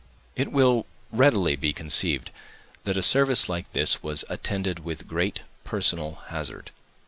It will readily be conceived that a service like this was attended with great personal hazard.